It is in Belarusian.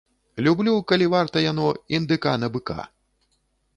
Люблю, калі варта яно, індыка на быка.